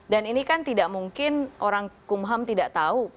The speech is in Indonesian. dan ini kan tidak mungkin orang kumham tidak tahu